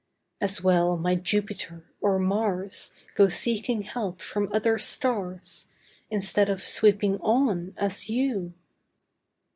As well might Jupiter, or Mars Go seeking help from other stars, Instead of sweeping ON, as you.